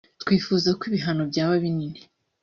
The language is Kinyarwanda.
twifuza ko ibihano byaba binini